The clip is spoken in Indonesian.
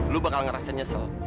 lu bakal ngerasa nyesel